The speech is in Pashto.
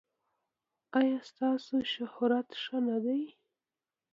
ایا ستاسو شهرت ښه نه دی؟